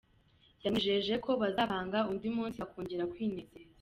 Yamwijeje ko bazapanga undi munsi bakongera kwinezeza.